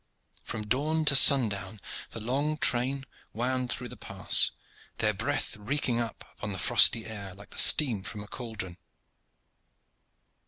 From dawn to sundown the long train wound through the pass, their breath reeking up upon the frosty air like the steam from a cauldron.